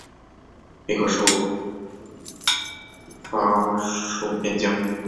李可灼发戍边疆。